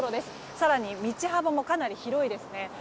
更に道幅もかなり広いですね。